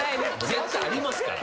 絶対ありますから。